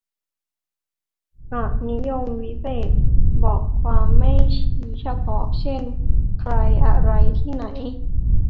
อนิยมวิเศษณ์ บอกความไม่ชี้เฉพาะ เช่น ใคร อะไร ไหน